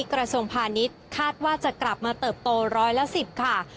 กรสมภัณฑ์นี้คาดว่าจะกลับมาเติบโต๑๑๐ค่ะ